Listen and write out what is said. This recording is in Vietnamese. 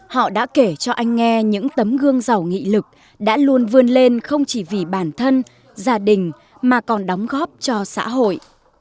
họ đã kể cho anh nghe những tấm gương giàu nghị lực đã luôn vươn lên không chỉ vì bản thân gia đình mà còn đóng góp cho xã hội